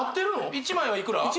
１枚はいくら？